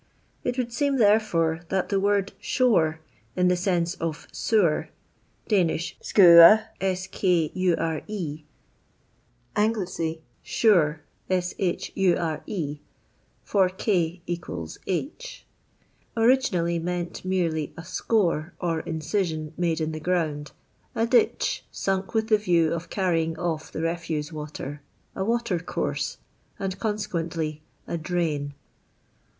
It would seem, therefore, that the word shore, in the sense of sewer (Dan., iture/ AngUce. «Ayre, for A; = h), originally meant merely a •core or incision nwde in the ffround, a tfUcA sunk with the view of carrying off the relW water, a watercourse, \ and eonscquently a drain.